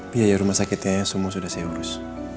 biaya rumah sakitnya semua sudah saya urus